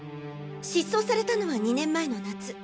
失踪されたのは２年前の夏。